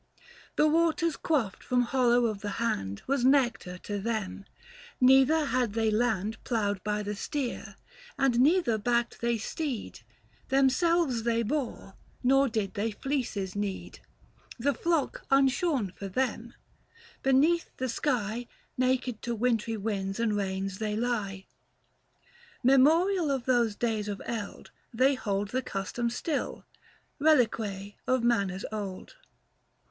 305 The waters quaffed from hollow of the hand Was nectar to them ; neither had they land Ploughed by the steer ; and neither backed they steed, Themselves they bore; nor did they fleeces need, The flock unshorn for them ; beneath the sky 310 Naked to wintry winds and rains they lie. Memorial of those days of eld, they hold The custom still — relique of manners old.